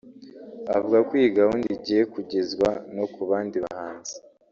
avuga ko iyi gahunda igiye kugezwa no ku bandi bahanzi